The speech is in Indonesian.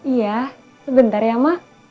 iya sebentar ya mak